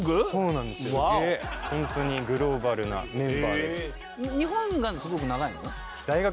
本当にグローバルなメンバーです。